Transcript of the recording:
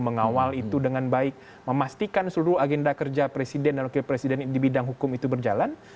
mengawal itu dengan baik memastikan seluruh agenda kerja presiden dan wakil presiden di bidang hukum itu berjalan